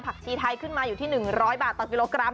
ชีไทยขึ้นมาอยู่ที่๑๐๐บาทต่อกิโลกรัม